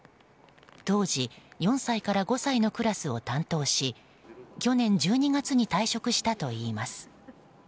当時、４歳から５歳のクラスを担当し去年１２月に退職したといいます。